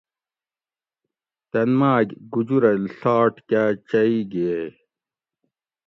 تن ماگ گُجرہ ڷاٹ کاۤ چئی گِھیئیگ